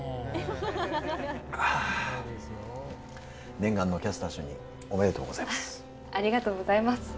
念願のキャスター就任、おめでとありがとうございます。